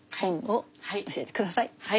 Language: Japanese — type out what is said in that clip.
はい。